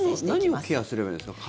何をケアすればいいですか？